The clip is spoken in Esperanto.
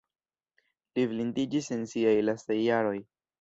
Li blindiĝis en siaj lastaj jaroj.